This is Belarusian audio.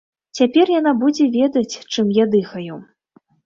Цяпер яна будзе ведаць, чым я дыхаю.